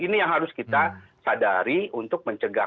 ini yang harus kita sadari untuk mencegah